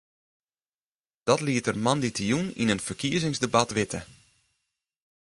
Dat liet er moandeitejûn yn in ferkiezingsdebat witte.